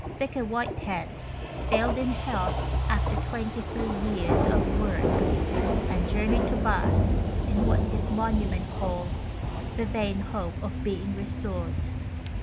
Vicar Whitehead failed in health after 23 years of work, and journeyed to Bath in what his monument calls "the vain hope of being restored."